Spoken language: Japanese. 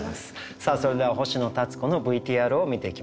さあそれでは星野立子のＶＴＲを見ていきましょう。